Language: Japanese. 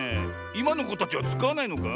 いまのこたちはつかわないのか？